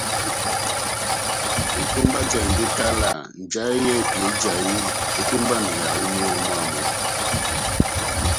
Etomba ejahindi etalaha njahɛ yɛ́hɛ́pi éjahi etómbaneyaha ó míyɔ mámu.